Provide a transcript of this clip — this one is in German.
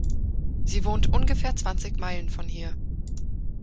Sie wohnt ungefähr zwanzig Meilen von hier.